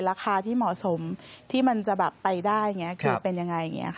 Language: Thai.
ราคาที่เหมาะสมที่มันจะไปได้คือเป็นยังไง